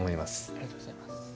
ありがとうございます。